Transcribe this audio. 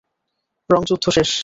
রঙ যুদ্ধ শেষ!